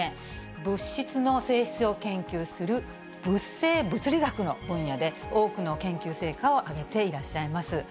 物質の性質を研究する物性物理学の分野で多くの研究成果を上げていらっしゃいます。